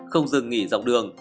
không dừng nghỉ dòng đường